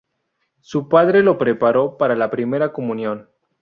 Su padre lo preparó para la primera comunión.